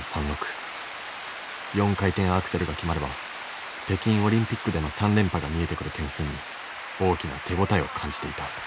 ４回転アクセルが決まれば北京オリンピックでの３連覇が見えてくる点数に大きな手応えを感じていた。